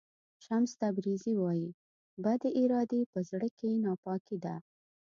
شمس تبریزي وایي بدې ارادې په زړه کې ناپاکي ده.